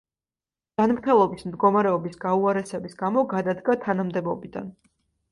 ჯანმრთელობის მდგომარეობის გაუარესების გამო გადადგა თანამდებობიდან.